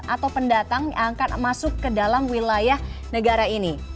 atau pendatang yang akan masuk ke dalam wilayah negara ini